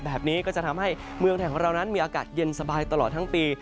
แบบนี้ก็จะทำให้เมืองไทยของเรานั้นมีอากาศเย็นสบายตลอดทั้งปี